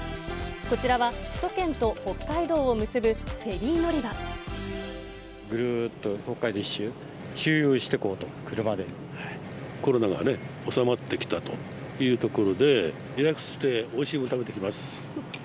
こちらは首都圏と北海道を結ぶフぐるーっと北海道１周、コロナがね、収まってきたというところで、リラックスしておいしいものを食べてきます。